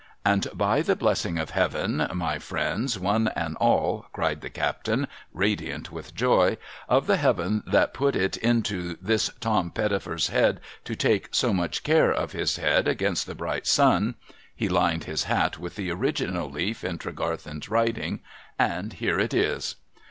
' And by the blessing of Heaven, my friends, one and all,' cried the captain, radiant with joy, —' of the Heaven that put it into this Tom Pettifer's head to take so much care of his head against the bright sun, — he lined his hat with the original leaf in Tregarthen's writing, — and here it is